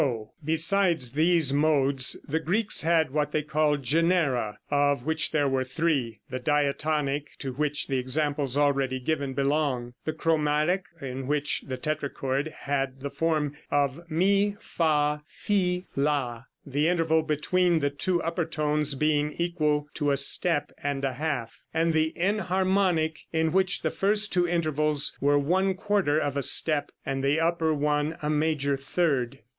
Besides these modes, the Greeks had what they called genera, of which there were three the diatonic, to which the examples already given belong; the chromatic, in which the tetrachord had the form of mi, fa, fi, la, the interval between the two upper tones being equal to a step and a half; and the enharmonic, in which the first two intervals were one quarter of a step and the upper one a major third.